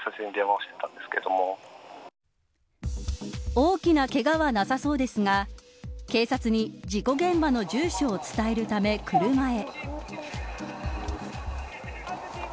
大きなけがはなさそうですが警察に、事故現場の住所を伝えるため車へ。